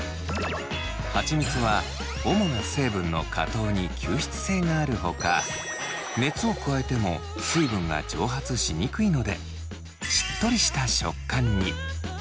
ハチミツは主な成分の果糖に吸湿性があるほか熱を加えても水分が蒸発しにくいのでしっとりした食感に。